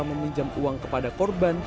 meminjam uang kepada korban